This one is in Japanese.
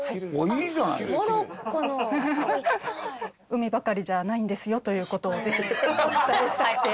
海ばかりじゃないんですよという事をぜひお伝えしたくて。